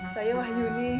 saya wah yuni